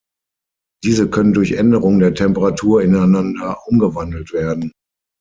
Diese können durch Änderung der Temperatur ineinander umgewandelt werden.